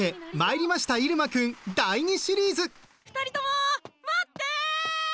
２人とも待って！